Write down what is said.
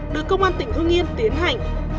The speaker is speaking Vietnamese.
được công an tỉnh hưng yên tiến hành